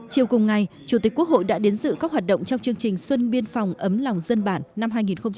chiều cùng ngày chủ tịch quốc hội đã đến dự các hoạt động trong chương trình xuân biên phòng ấm lòng dân bản năm hai nghìn hai mươi